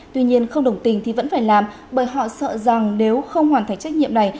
tuy nhiên không đồng tình thì vẫn phải làm bởi họ sợ rằng nếu không hoàn thành trách nhiệm này